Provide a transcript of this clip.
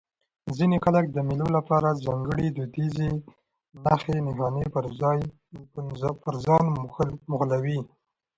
ځيني خلک د مېلو له پاره ځانګړي دودیزې نخښي نښانې پر ځان موښلوي.